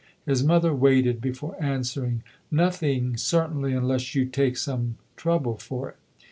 His mother waited before answering. " Nothing, certainly, unless you take some trouble for it."